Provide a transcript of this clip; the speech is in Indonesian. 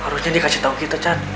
harusnya dikasih tau kita chan